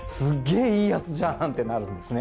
ぇいいやつじゃんってなるんですね。